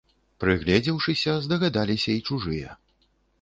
Прыгледзеўшыся, здагадаліся і чужыя.